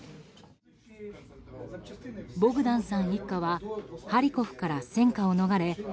ボグダンさん一家はハリコフから戦火を逃れ